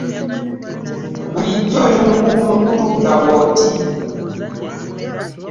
Bulijjo oli mukugu mu kutunga bwoti.